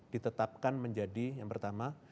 ditetapkan menjadi yang pertama